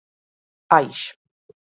Aix